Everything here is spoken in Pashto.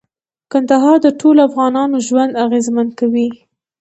کندهار د ټولو افغانانو ژوند اغېزمن کوي.